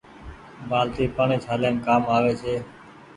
بآلٽي پآڻيٚ ڇآليم ڪآم آوي ڇي۔